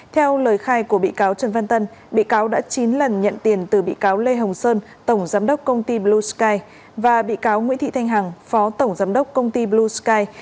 theo lời khai của bị cáo trần văn tân bị cáo đã chín lần nhận tiền từ bị cáo lê hồng sơn tổng giám đốc công ty blue sky và bị cáo nguyễn thị thanh hằng phó tổng giám đốc công ty blue sky